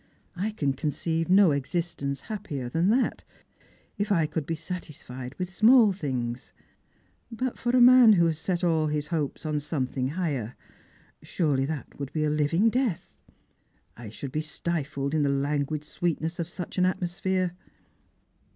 " I can conceive no existence happier than that, if I could be satisfied with small things. But for a man who has set all his hopes on something higher, surely that would be a hving death. I should be stilled in the languid sweetness of such an atmosphere."